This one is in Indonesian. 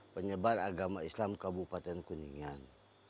penyebar agama islam kabupaten kuningan